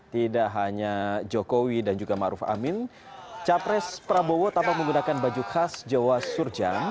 tidak hanya joko widodo dan juga ma'ruf amin capres prabowo tampak menggunakan baju khas jawa surjan